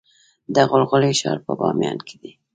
د غلغلې ښار په بامیان کې دی